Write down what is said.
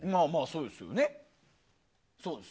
そうですよね。